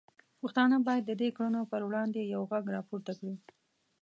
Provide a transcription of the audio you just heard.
پښتانه باید د دې کړنو پر وړاندې یو غږ راپورته کړي.